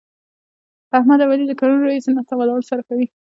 احمد او علي له کلونو راهسې ناسته ولاړه سره کوي.